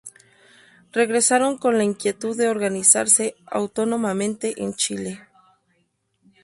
Regresaron con la inquietud de organizarse autónomamente en Chile.